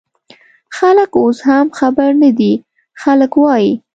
خلک اوس هم خبر نه دي، خلک وايي